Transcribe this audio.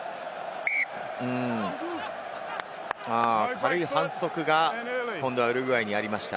軽い反則がウルグアイにありました。